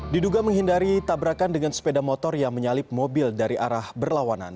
diduga menghindari tabrakan dengan sepeda motor yang menyalip mobil dari arah berlawanan